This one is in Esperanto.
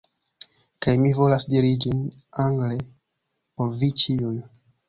Kaj mi volas diri ĝin angle por vi ĉiuj.